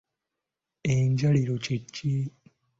Enjaliiro kye ki?